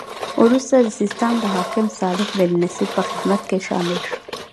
وروسته د سیستان د حاکم صالح بن نصر په خدمت کې شامل شو.